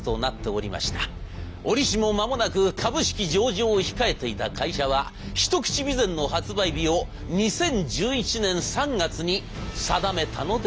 折しも間もなく株式上場を控えていた会社はひとくち美膳の発売日を２０１１年３月に定めたのでございます。